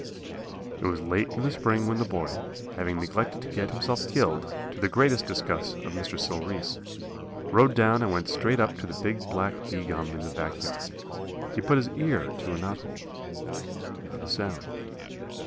It was late in the spring when the boy, having neglected to get himself killed, to the great disgust of Mr. Sil Reese, rode down and went straight up to the big black bee gum in the back yard. He put his ear to a knothole. Not a sound.